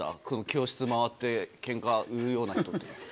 教室回ってケンカ売るような人って。